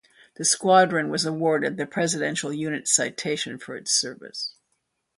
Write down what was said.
The squadron was awarded the Presidential Unit Citation for its service.